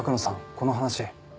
この話。